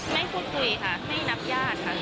พูดคุยค่ะไม่นับญาติค่ะ